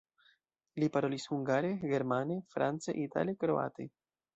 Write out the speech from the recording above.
Li parolis hungare, germane, france, itale, kroate.